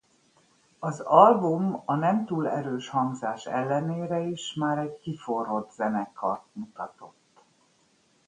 Az album a nem túl erős hangzás ellenére is már egy kiforrott zenekart mutatott.